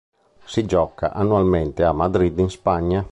Si gioca annualmente a Madrid in Spagna.